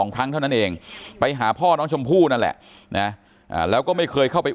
ครั้งเท่านั้นเองไปหาพ่อน้องชมพู่นั่นแหละนะแล้วก็ไม่เคยเข้าไป